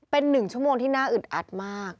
เป็น๑ชั่วโมงที่น่าอึดอัดมาก